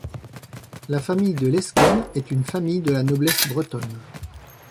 La famille de Lesquen est une famille de la noblesse bretonne.